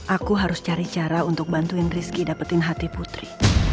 aku harus cari cara untuk bantuin rizky dapetin hati putri